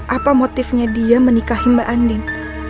apa motifnya dia menikahi mbak andin